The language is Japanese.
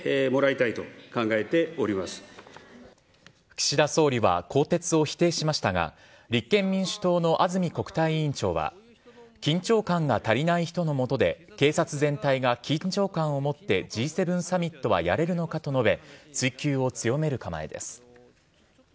岸田総理は更迭を否定しましたが立憲民主党の安住国対委員長は緊張感が足りない人の下で警察全体が緊張感を持ってＧ７サミットはやれるのかと述べ追及を強める構えです。